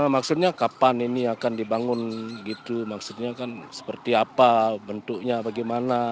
maksudnya kapan ini akan dibangun gitu maksudnya kan seperti apa bentuknya bagaimana